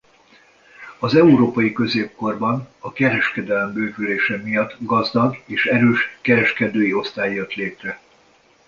Az európai középkorban a kereskedelem bővülése miatt gazdag és erős kereskedői osztály jött létre.